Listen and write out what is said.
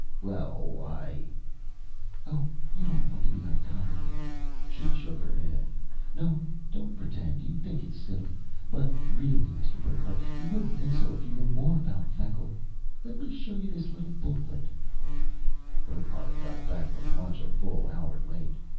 "Well, I " "Oh, you don't want to be unkind!" She shook her head. "No, don't pretend. You think it's silly. But really, Mr. Burckhardt, you wouldn't think so if you knew more about the Feckle. Let me show you this little booklet " Burckhardt got back from lunch a full hour late.